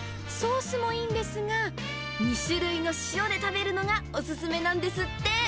ソースもいいんですが、２種類の塩で食べるのがお勧めなんですって。